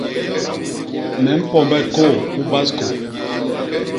Me mpombe kôô u baskô.